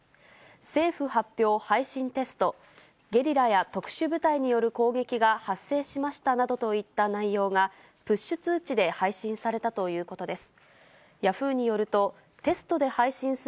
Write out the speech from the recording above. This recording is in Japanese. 政府発表、配信テスト、ゲリラや特殊部隊による攻撃が発生しましたなどといった内容が、プッシュ通知で配信されたということです。